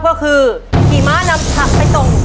ก็คือขี่ม้านำผักไปส่ง